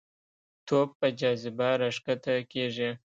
توپ په جاذبه راښکته کېږي.